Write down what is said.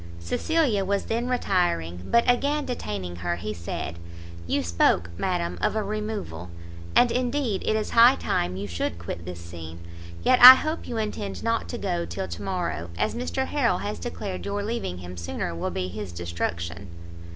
Cecilia was then retiring; but again detaining her, he said "You spoke, madam, of a removal, and indeed it is high time you should quit this scene; yet I hope you intend not to go till to morrow, as Mr Harrel has declared your leaving him sooner will be his destruction."